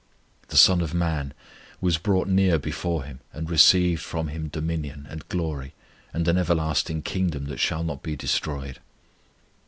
The Son of Man was brought near before Him, and received from Him dominion, and glory, and an everlasting kingdom that shall not be destroyed.